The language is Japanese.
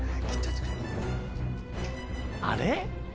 あれ？